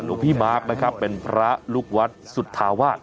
หลวงพี่มาร์คนะครับเป็นพระลูกวัดสุธาวาส